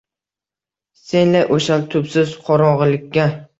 Sen-la o’shal tubsiz qorong’ilikka.